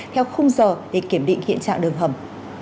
theo khung giờ để kiểm định hiện trạng đường hầm